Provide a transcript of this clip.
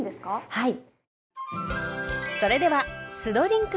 はい。